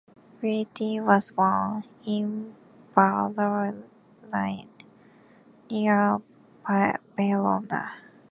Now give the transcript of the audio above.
Gritti was born in Bardolino, near Verona.